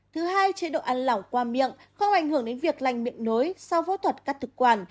thứ hai chế độ ăn lẩu qua miệng không ảnh hưởng đến việc lành miệng nối sau phẫu thuật cắt thực quản